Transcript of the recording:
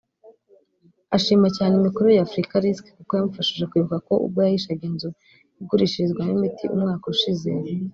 ashima cyane imikorere ya Afrika Risk kuko yamufashije kwibuka ko ubwo yahishaga inzu igurishirizwamo imiti umwaka ushize